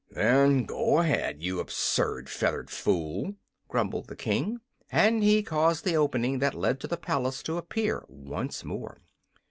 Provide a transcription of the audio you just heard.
"Then go ahead, you absurd feathered fool!" grumbled the King, and he caused the opening that led to the palace to appear once more.